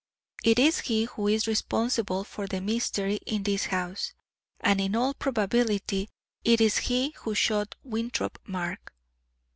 It is he who is responsible for the mystery in this house and in all probability it is he who shot Winthrop Mark.